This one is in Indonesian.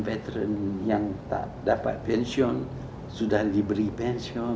veteran veteran yang tak dapat pensiun sudah diberi pensiun